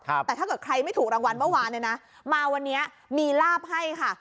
แต่ถ้าเกิดใครไม่ถูกรางวัลเมื่อวานเนี่ยนะมาวันนี้มีลาบให้ค่ะ